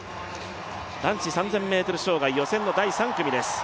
男子３０００ｍ障害予選の第３組です。